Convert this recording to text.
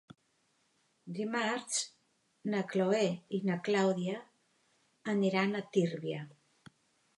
Dimarts na Chloé i na Clàudia aniran a Tírvia.